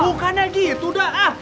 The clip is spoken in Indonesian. bukannya gitu da